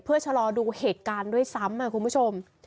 เพื่อชะลอดูเหตุการณ์ด้วยซ้ำคุณผู้ชม